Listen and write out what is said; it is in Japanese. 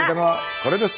これです。